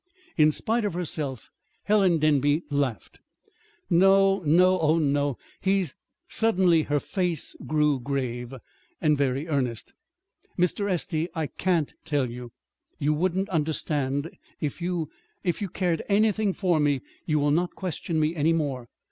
In spite of herself Helen Denby laughed. "No, no, oh, no! He's " Suddenly her face grew grave, and very earnest. "Mr. Estey, I can't tell you. You wouldn't understand. If you you care anything for me, you will not question me any more.